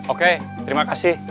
oke terima kasih